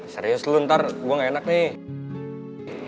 serius dulu ntar gue gak enak nih